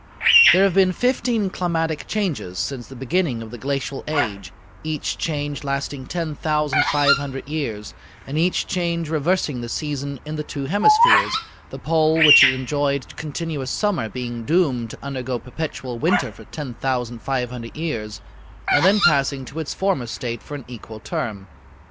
"There have been fifteen climatic changes since the beginning of the glacial age, each change lasting 10,500 years, and each change reversing the season in the two hemispheres, the pole which had enjoyed continuous summer being doomed to undergo perpetual winter for 10,500 years, and then passing to its former state for an equal term.